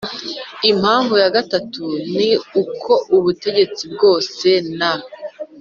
Impamvu ya gatatu ni uko ubutegetsi bwose na